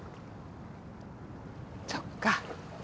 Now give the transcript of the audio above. そっか。